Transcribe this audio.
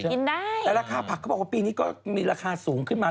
กินได้แต่ราคาผักเขาบอกว่าปีนี้ก็มีราคาสูงขึ้นมา